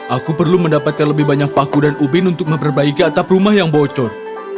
aku perlu mendapatkan lebih banyak paku dan ubin untuk memperbaiki atap rumah yang bocor